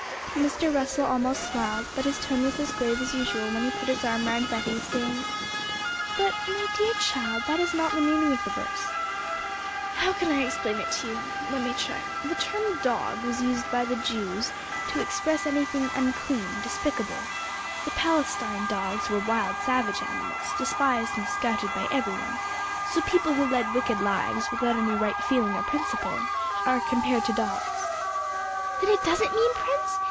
Mr. Russell almost smiled, but his tone was as grave as usual when he put his arm round Betty, saying, 'But, my dear child, that is not the meaning of the verse. How can I explain it to you? Let me try: the term dog was used by the Jews to express anything unclean, despicable; the Palestine dogs were wild, savage animals, despised and scouted by every one; and so people who led wicked lives, without any right feeling or principle, are compared to dogs.' 'Then it doesn't mean Prince?